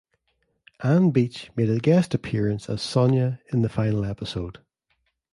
Ann Beach made a guest appearance as Sonia in the final episode.